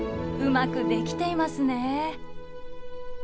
うまくできていますね。